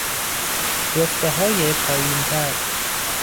رتبههای پایینتر